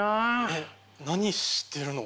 えっ何してるの？